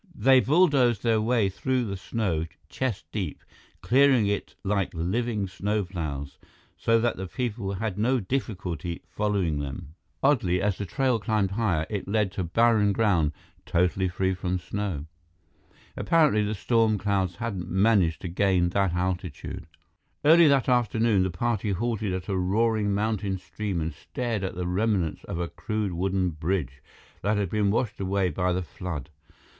They bulldozed their way through the snow, chest deep, clearing it like living snowplows, so that the people had no difficulty following them. Oddly, as the trail climbed higher, it led to barren ground, totally free from snow. Apparently, the storm clouds hadn't managed to gain that altitude. Early that afternoon, the party halted at a roaring mountain stream and stared at the remnants of a crude wooden bridge that had been washed away by the flood.